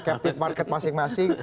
captive market masing masing